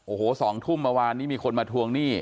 โอ้โห๒ทุ่มมีคนมาทวงหนี้